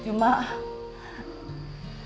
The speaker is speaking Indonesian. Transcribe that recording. ibu teringat tuh ya